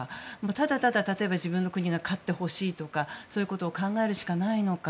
ただただ例えば自分の国が勝ってほしいとかそういうことを考えるしかないのか。